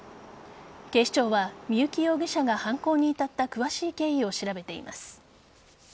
警視庁は三幸容疑者が犯行に至った詳しい経緯を調べています。